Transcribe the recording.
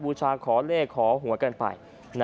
บูชาขอเลขขอหัวกันไป